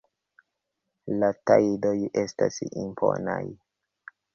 La tajdoj estas imponaj.